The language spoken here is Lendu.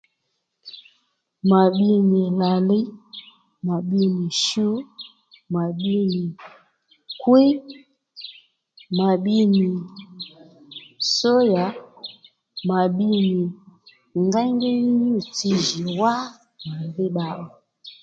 Ma bbiy nì lǎliy mà bbi nì shu, mà bbiy nì kwíy, mà bbi nì sóyà mà bbi nì ngéyngéy ní nyû-tsi jì wá mà dhí bba ó